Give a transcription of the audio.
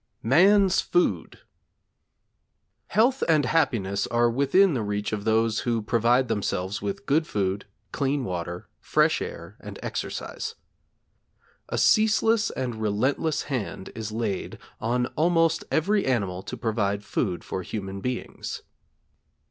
MAN'S FOOD Health and happiness are within reach of those who provide themselves with good food, clean water, fresh air, and exercise. A ceaseless and relentless hand is laid on almost every animal to provide food for human beings.